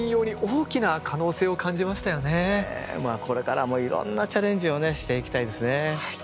ホントにこれからもいろんなチャレンジをねしていきたいですね。